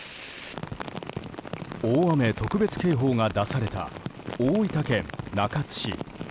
大雨特別警報が出された大分県中津市。